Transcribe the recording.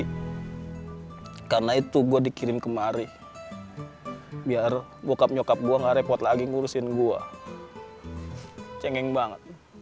hai karena itu gua dikirim kemari biar bokap nyokap gua ngarepot lagi ngurusin gua cengeng banget